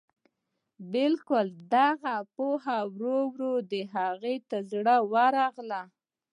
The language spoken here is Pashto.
بلکې دا پوهه ورو ورو د هغه زړه ته ورغله.